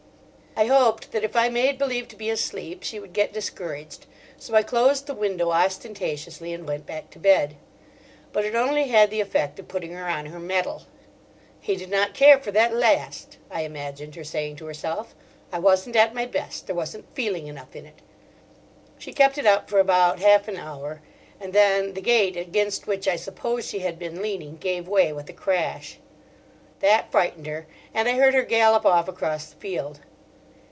I hoped that if I made believe to be asleep she would get discouraged. So I closed the window ostentatiously, and went back to bed. But it only had the effect of putting her on her mettle. "He did not care for that last," I imagined her saying to herself, "I wasn't at my best. There wasn't feeling enough in it." She kept it up for about half an hour, and then the gate against which, I suppose, she had been leaning, gave way with a crash. That frightened her, and I heard her gallop off across the field.